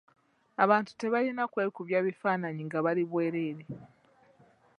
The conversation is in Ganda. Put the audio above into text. Abantu tebalina kwekubya bifaananyi nga bali bwerere.